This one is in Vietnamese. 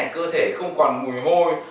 cơ thể không còn mùi hôi